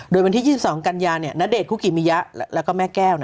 โดยวันที่๒๒กันยาณเดชนคุกิมิยะแล้วก็แม่แก้ว